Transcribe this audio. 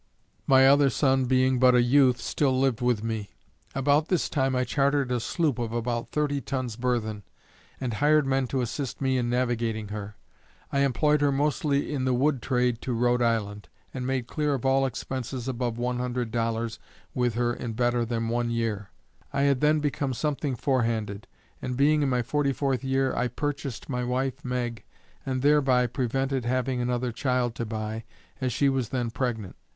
My other son being but a youth, still lived with me. About this time I chartered a sloop of about thirty tons burthen, and hired men to assist me in navigating her. I employed her mostly in the wood trade to Rhode Island, and made clear of all expenses above one hundred dollars with her in better than one year. I had then become something forehanded, and being in my forty fourth year, I purchased my wife Meg, and thereby prevented having another child to buy, as she was then pregnant.